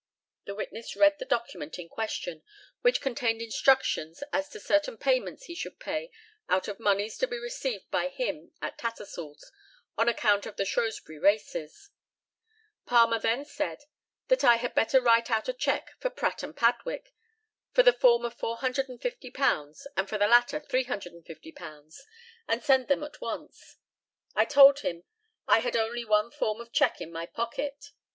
[The witness read the document in question, which contained instructions as to certain payments he should pay out of moneys to be received by him at Tattersall's, on account of the Shrewsbury races.] Palmer then said, that I had better write out a cheque for Pratt and Padwick for the former £450, and for the latter £350, and send them at once. I told him I had only one form of cheque in my pocket.